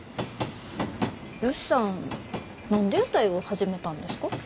ヨシさん何で屋台を始めたんですか？